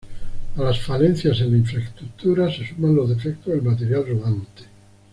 A las falencias en la infraestructura, se suman los defectos del material rodante.